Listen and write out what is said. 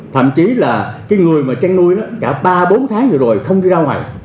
thậm chí là người trang nuôi cả ba bốn tháng rồi rồi không đi ra ngoài